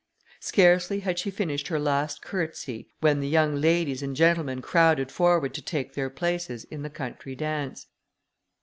Scarcely had she finished her last courtesy, when the young ladies and gentlemen crowded forward to take their places in the country dance.